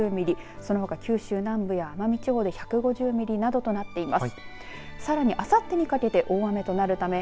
そのほか九州南部や奄美地方で１５０ミリなどとなっています。